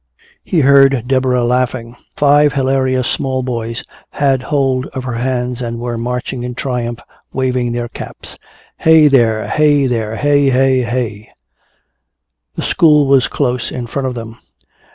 He heard Deborah laughing. Five hilarious small boys had hold of her hands and were marching in triumph waving their caps. "Heigh there heigh there! Heigh heigh heigh!" The school was close in front of them.